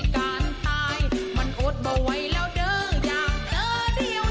ถ้าถามเมียหลวงควงปืน